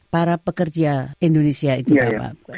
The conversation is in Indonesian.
para pekerja indonesia itu dapat